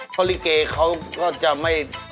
เพราะลิเกเขาก็จะไม่